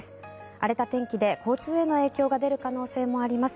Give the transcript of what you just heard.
荒れた天気で交通への影響が出る可能性もあります。